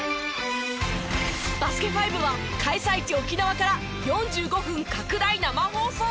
『バスケ☆ＦＩＶＥ』は開催地沖縄から４５分拡大生放送スペシャル！